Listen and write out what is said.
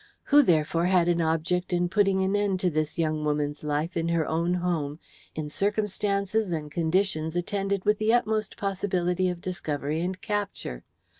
Who, therefore, had an object in putting an end to this young woman's life in her own home, in circumstances and conditions attended with the utmost possibility of discovery and capture?